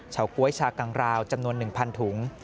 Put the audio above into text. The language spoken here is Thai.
ก๊วยชากังราวจำนวน๑๐๐ถุง